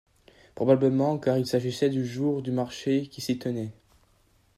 Probablement car il s'agissait du jour du marché qui s'y tenait.